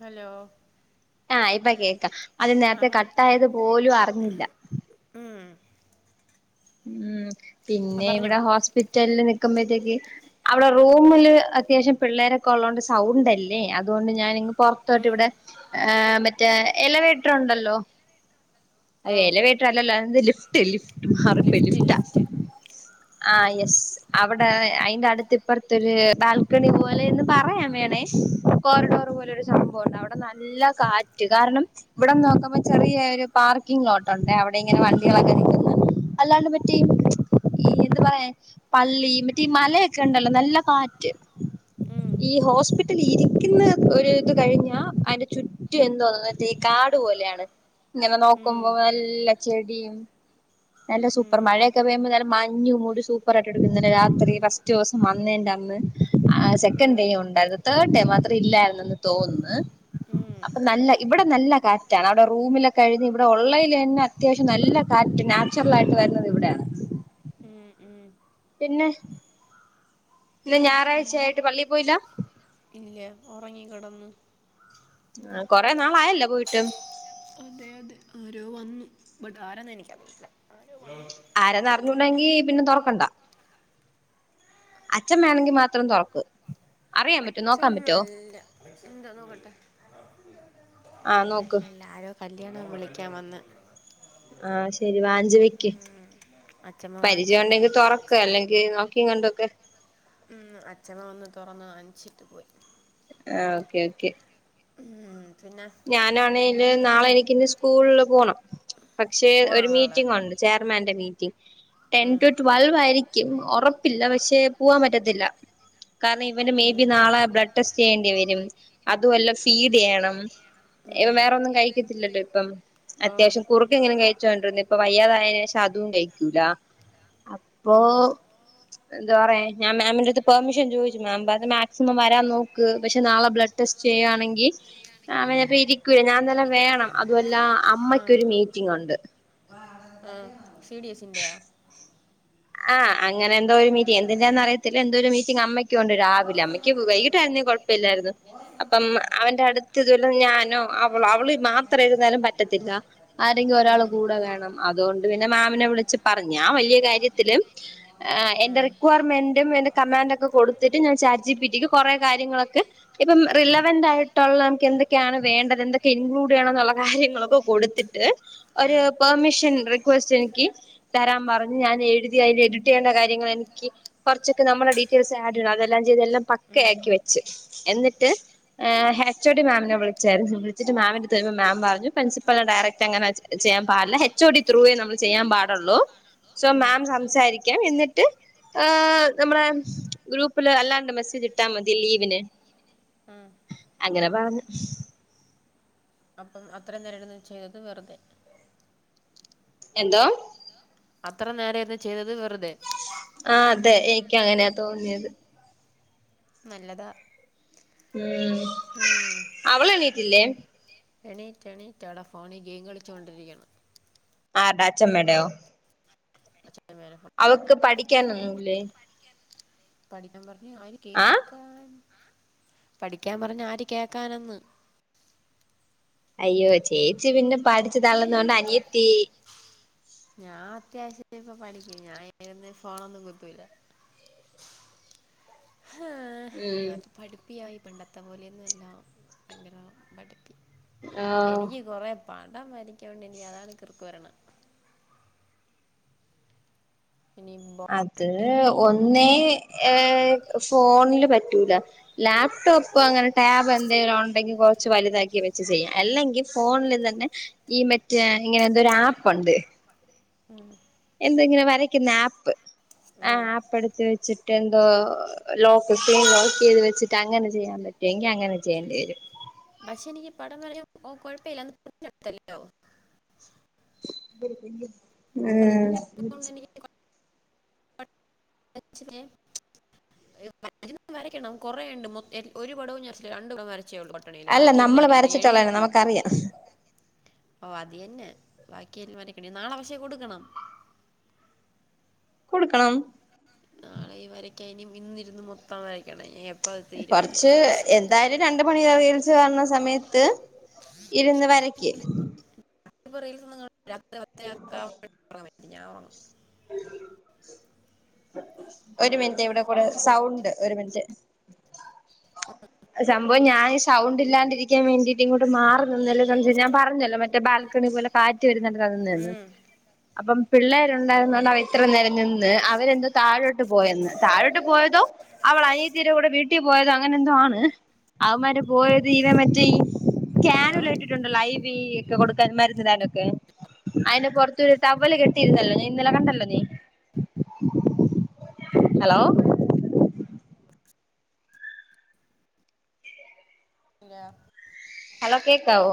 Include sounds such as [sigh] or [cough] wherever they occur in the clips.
Hello ആ ഇപ്പ കേക്കാം അത് ആ നേരത്തെ പറ കട്ടായത് പോലും അറിഞ്ഞില്ല ഉം ഉം ആ പിന്നെ പറഞ്ഞോ ഇവിടെ ഹോസ്പിറ്റല് നി ക്കുമ്പോഴത്തേക്ക് അവിടെ റൂമില് അത്യാവശ്യം പിള്ളേരൊക്കെ ഉള്ളോണ്ട് സൗണ്ടല്ലേ അതുകൊണ്ട് ഞാനങ് പൊറത്തോട്ട് ഉം ഇവിടെ ഹേ മറ്റേ എലവേറ്റർണ്ടല്ലോ അ ഓ എല വേട്ട്ര അല്ലല്ലാ ലിഫ്റ്റ് ലിഫ്റ്റ് ലിഫ് ലിഫ്റ്റ് ആ ഉം യെസ് അവിടെ ആ അയിന്റെ അടുത്ത് ഇപ്പറത്തരു ബാൽക്കണി പോലെ എന്ന് പറയാൻ വേണേ കോറിഡോർ പോലെ ഒരു സംഭവുണ്ട് അവിടെ നല്ല കാറ്റ് കാരണം ഇവിടെ നോക്കുമ്പോ ചെറിയരു പാർക്കി്ങ് ലോട്ട്ണ്ട് അവടെ ഇങ്ങനെ ഉം വണ്ടികളൊക്കെ നിക്കുന്ന അല്ലാണ്ട് മറ്റേ ഈ എന്ത പറയാ പള്ളി മറ്റേ മലയൊക്കെ ണ്ടല്ലോ നല്ല കാറ്റ് ഉം ഈ ഹോസ്പി ത് ലീരിക്കുന്ന ഒരു ഇത് കഴിഞ്ഞ അയിന്റെ ചുറ്റു എന്തോന്ന് വച്ചാ ഈ കാടു പോലെയാണ് ഇങ്ങനെ ഉം നോക്കുമ്പോ നല്ല ചെടിയും എല്ല സൂപ്പർ ഉം മഴയൊക്കെ പെയ്യുമ്പോ നല്ല മഞ്ഞു മൂടി സൂപ്പർ ആയിട്ട് എടുക്കും ങ്ങ്നെ രാത്രി ഫസ്റ്റ് സം വന്നേന്റ അന്ന് ആ ഉം സെക്കൻേ ഉണ്ടത് തേർഡേ മാത്രം ഇല്ലായിരുന്നെന്ന് തോന്ന്ന്ന് ഉം അപ്പൊ നല്ല ഇവിടെ നല്ല കാറ്റാണ് അവിടെ റൂമിലൊക്കെ ഴിഞ്ഞ് ഇവിടെ ഉള്ളൽ ന്നെ അത്യാവശ്യം നല്ല കാറ്റ് നാ ചർലായിട്ട് വരുന്നത് ഇവിടെയാണ് ഉം ഉം പിന്നെ ഇന്ന് ഞായറാഴ്ചയായിട്ട് പള്ളി പോയില്ല ഇല്ല ഉറങ്ങി കിടന്നു ആ കൊറെ നാളായല്ലോ പോയിട്ട് നൊ വന്നു ബട്ട് ആരന്ന് എനിക്കറിയില്ല ആരന്ന അറിഞ്ഞുണ്ടെങ്കി പിന്നെ തുറക്കണ്ട അച്ഛൻ വേണെങ്കി മാത്രം തുറക്ക് അറിയാൻ പറ്റോ നോക്കാൻ അച്ചൻ പറ്റോ അല്ല ന്താ നോക്കട്ടെ ആഹ് നോക്ക് അല്ലല്ല ആരോ കല്ല്യാണം വിളിക്കാൻ വന്ന് ആ ശരി വാങ്ചി വെക്ക് അച്ഛമ്മ വാങ്ങിച്ച് പരിചയൊണ്ടെങ്കി തൊറക്ക് അല്ലെങ്കി ന്നോക്കിം കണ്ടൊക്കെ ഉം അച്ചമ്മ വന്ന് തൊറന്ന് ആൻച്ചിട്ട് പോയി ആ ഓക്കെ ഓക്കെ ഉം പിന്നെ ഞാനാണേല് ന്നാളെ എനിക്കി ൻ്റ് സ്കൂൾള് പോണം പക്ഷെ പോണോ ഒരു നാളെ മീറ്റിങ് ഉണ്ട് ചെയർമാന്റെ മീ ഉം ട്ടൻറ്റു റ്റുവൽവ് ആയിരിക്ക് ക്ക്‌ ഒറപ്പില്ല പക്ഷെ പൂവാൻ പറ്റത്തില്ല കാരണം ഇവന് മേബി ഉം നളെ ബ്ലഡ് ടെസ്റ്റ് ചെയ്യേണ്ടി വരും അതു അല്ല ഫീഡ് എയ്യണം ഇവൻ ഉം വേറൊന്നും കഴിക്കത്തില്ലല്ലോ ഇപ്പം ഓ അത്യാവശ്യം കുറുക്ക്‌ എങ്ങനും കഴിച്ചോണ്ട്ര്ന്നെ ഇപ്പം വയ്യാതായേനേഷം അതും കഴിക്കൂല അപ്പൊ ഉം എന്തോ പറയാൻ ഞാൻ മാമിന്റെട്ത് പെർമിഷൻ ചോയ്ച്ചു മാം പറഞ് മാക്സിമം വരാൻ നോക്ക് പക്ഷെ നാളെ ബ്ലഡ് ടെസ്റ്റ് ചെയ്യാണെങ്കി ആ അവനിപ്പോ ഇരിക്കുല ഞാൻ തന്നെ വേണം ന്ന അതു അല്ല ആ അമ്മക്കൊരു മീറ്റിംഗ് ഉണ്ട്. ആ സി ഡി എസ്സി ന്റെയോ? ആഹ് അങ്ങനെ എന്തോ ഒരു മീറ്റി് എന്ത് ന്ന അറിയത്തില്ല എന്തോ ഒരു മീറ്റിംഗ് അമ്മയ് ക്യാണ്ട് രാവിലെ അമ്മയ്ക്ക് വൈകിട്ടായിരുന്നെ കൊഴപ്പ ല്ലായിരുന്നു അപ്പം അവന്റെ അടുത്ത് ഇതൊല്ല ഞാനോ, അവളൊ, അളവ് മാത്രം ഇരുന്നാലും പറ്റത്തില്ല ആരെങ്കിലും ഒരാള് ഉം കൂടെ വേണം അതോണ്ട് അത് പിന്നെ മാമിനെ വിളിച്ച് പറഞ്ഞ് ഞാൻ വല്ല്യയ കാര്യത്ത് ത്തിലും ആ എന്റെ ഉം റിക്വയർമെന്റും എടുത് കമാൻ്റൊകെ കൊടുത്തിട്ട് ഞാൻ ചാറ്റ് ജി പി ട്ടി ക്ക് കൊറേ കാര്യങ്ങളൊക്കെ ഇപ്പം റിലവന്റ് ആയിട്ടൊള്ളവർക്ക് എന്നെക്കെയാണ് വേണ്ടത് എന്തൊക്കെ ഇൻക്ലൂഡ് വേണ ന്നുള്ള കാര്യങ്ങളൊക്കെ കൊടുത്തിട്ട് ആ ഒര് പെർമിഷൻ റി ക്വസ്റ്റ് എൻക്കി തരാൻ പറഞ് ഞാൻ എഴുതി എടിറ്റ് ചെയ കഴിഞ്എഡിറ്റ് ചെയ്യേണ്ട കാര്യങ്ങൾ എനിക്കി കൊർച്ചൊക്കെ നമ്മുടെ ഡീറ്റെയിൽസ് ആഡ് ഡ് അതെല്ലാം ചെയ്ത് എല്ലാം പക്ക ഉം ആക്കി വെച്ച് എന്നിട്ട് [unintelligible] ഹെ ഒച്ച ഡി മാമിനെ വിളിച്ച് [unintelligible] വിളിച്ചിട്ട് മാമിന്റെട്ത് ചൊയ്ചപം മാം പറഞ്ഞു പ്രിൻസിപ്പൽ ഡയറക്റ്റ് അങ്ങനെ ചെയ്യാൻ പാടില്ല ഹെച്ച്ഒ ഡി ത്രൂവേ നമ്മൾ ചെയ്യാൻ പാടുള്ളൂ സോ ഉം മാം സം സംസാരിക്കാം എന്നിട്ട് നമ്മളെ ഹ് ഗ്രൂപ്പില് അല്ലാണ്ട് മെസേജ് ഇട്ടാ മതി ലീവിന് ഉം അങ്ങനെ പറഞ്ഞ് അപ്പം അത്രയും നേര ഇര്ന്ന് ചേറ്ത് പ വെറുതെ എന്തോ അത്രം നേര ര്ന്ന് ചെയ്തത് വെർ അതെ തെ ഇനിക്കു അങ്ങനെ തോന്നിയത് ന്നല്ലതാ ഉം അവള് എണീറ്റില്ലേ എണീറ്റ് എണീറ്റ് അവളാ ഫോണി ഗെയിം കളിച്ചോണ്ടിരിക്ക്ണ് ആര്ടാ അച്ചമ്മ ടെ എങ്ങനെ പഠിക്കാനൊന്നുല്ലെ പഠിക്കാൻ പറ അയിന് ആയ്ന് കേക്കാൻ പഠിക്യാൻ പറഞ്ഞ ആര് കേക്കാനന്ന് അയ്യോ ചേച്ചി പിന്നെ പഠിച്ചു തള്ള്ന്നോണ്ട് അനിയത്തി ഞാൻ അത്യാവശ്യം ഇപ്പോ പഠിക്കും ഞാനോന്നും ഫോണൊന്നും കുതൂല ആ ഉം ഞാനിപ്പോ പഠിപ്പിയായി പണ്ടത്തെ പോലെന്നും അല്ലാ ഭയങ്കര പഠിപ്പി ആഹ് എനിക്ക് കൊറേ പടം വരക്കാനിണ്ട് അതാണ് കിറുക്ക് വരണ ബോർഡ് അത് ഒ ന്നെ ഏ ഫോണില് പ ഇല്ല ലാപ്ടോപ്പ് അങ്ങനെ ടാബ് എന്തെലും ഉണ്ടെങ്കിൽ കൊറച്ച് വലുതാക്കി വെച്ച് ചെയ്യാം അല്ലെങ്കിൽ ഫോണിൽ തന്നെ ഈ മറ്റേ ഇങ്ങനെ എന്തൊരു ആപ്പ് ഉണ്ട്. ഉം എന്തങ്ങനെ വരക്ന്ന ആപ്പ് ആഹ് ഉം ആപ്പ് എടുത്ത് വെച്ചിട്ട് എന്തോ ലോക്ക്ക് ലോക്ക് ചെയ്ത് വെച്ചിട്ട് അങ്ങനെ ചെയ്യാൻ പറ്റുമെങ്കിൽ അങ്ങനെ ചെയ്യേണ്ടി വരും. പക്ഷെ എനിക്ക് പടം വര [unintelligible] കൊഴപ്പെല്ല്യാ അന്ന് പ്രിന്റ് എടുത്തല്ലോ [unintelligible] ആഹ് പ്രിന്റ് എടുത്തോണ്ട് [unintelligible] വരയ്ക്കണം കൊറെണ്ട് മൊ ഒരു പടവും വര രണ്ടുപടം വര കിയുള്ളു പോട്ടണിയില് അല്ല ബാക്കി എല്ലാം നമ്മള് ആടിക്കിടെ എഴുതി വരച്ചിട്ടുള്ളന്നെ തീർത്ത്. നമുക്കറിയാം ഓ അത് യന്നെ ബാക്കിയല്ലവരക്കണം നാളെ പക്ഷേ കൊടുക്കണം കൊടുക്കണം നാളെ ഈ വരക്ക്യേഇനി ഇന്നിരുന്ന് മൊത്തം വരക്കണ്ടെ കുറച്ച് എന്തായാലും രണ്ട് മണി റീൽസ് കാണ്ണ സമയ ത്ത് ഇരുന്ന് വരക്കി പറയിൽ നിന്ന് ക [unintelligible] രാത്രി [unintelligible] [unintelligible] [inaudible] അത് ഞാൻ ഉറങ്ങും [unintelligible] ഒരു മിനിറ്റ് [unintelligible] ഇവിടെ കുറെ സൗണ്ട് ഒരു മിനിറ്റ് [unintelligible] സംഭവം ഞാൻ സൗണ്ട് ഇല്ലാണ്ടിരിക്കാൻ വേണ്ടിയിട്ട് ഇങ്ങോട്ട് മാറി ഇന്നലെ [unintelligible] ഞാൻ പറഞ്ഞല്ലോ മറ്റെ ബാൽക്കണി പോലെ കാറ്റ് [unintelligible] അപ്പം പിള്ളാരുണ്ടായിരുന്നകൊണ്ട അവൻ ഇത്ര നേരം നിന്ന് അവരെന്തോ താഴോട്ട് പോയെന്ന് താഴോട്ട് പോയതോ അവള് അനിയത്തീടെ കൂടെ വീട്ടി പോയതോ അങ്ങനെ എന്തോ ആണ് ഏഹ് അവമ്മാര് പോയത് ഈര മറ്റി ഹലോ ക്യാനൊല ഇട്ടിട്ടുണ്ടല്ലോ ഐ വീ കൊടുക്കാൻ മരുന്ന്ടാനൊക്കെ. അയിന്റെ പൊറത്തൊരു ട്ടവ്വല് കെട്ടിയിരുന്നല്ലോ ഞ ഇന്നലെ കണ്ടല്ലോ നീ ഹലോ ഇല്ലാ ടാ കേക്കാവോ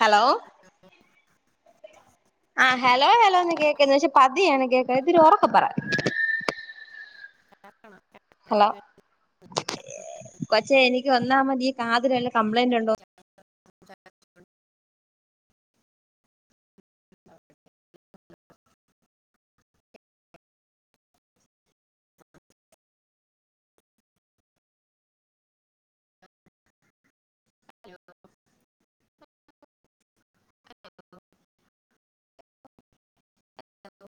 ഹലോ ആഹ് ഹലോ ഹലോന്ന് കേക്ക്ന്ന് പഷേ പതിയാണ് കേക്ക ഇത്തിരി ഒ റക്കപ്പറ ഹലോ എനിക്ക് കൊച്ചേ എനിക്ക് വ വന്നാ മതി കാതിരെല്ല കംപ്ലയിന്റുണ്ടോ [unintelligible] [inaudible] ഹലോ ഹലോ